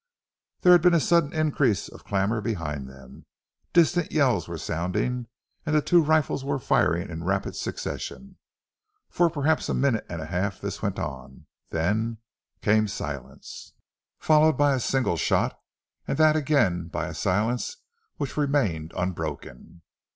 There had been a sudden increase of clamour behind them. Distant yells were sounding, and the two rifles were firing in rapid succession. For perhaps a minute and a half this went on, then came silence, followed by a single shot, and that again by a silence which remained unbroken.